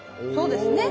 そうですね。